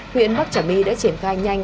huyện bắc trà my đã triển khai nhanh